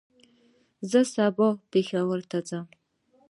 زه به سبا پېښور ته ځم